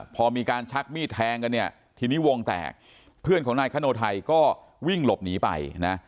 พอมีการชักมีดแทงกันเนี่ยทีนี้วงแตกเพื่อนของนายคโนไทยก็วิ่งหลบหนีไปนะ